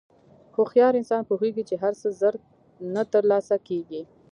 هوښیار انسان پوهېږي چې هر څه زر نه تر لاسه کېږي.